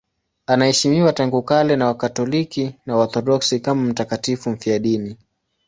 Anaheshimiwa tangu kale na Wakatoliki na Waorthodoksi kama mtakatifu mfiadini.